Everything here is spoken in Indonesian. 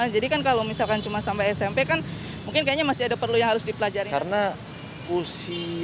jadi kan kalau misalkan cuma sampai smp kan mungkin kayaknya masih ada perlu yang harus dipelajari